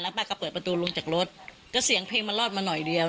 ป้าก็เปิดประตูลงจากรถก็เสียงเพลงมันรอดมาหน่อยเดียว